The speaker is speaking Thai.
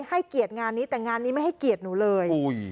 ให้เกียรติงานนี้แต่งานนี้ไม่ให้เกียรติหนูเลย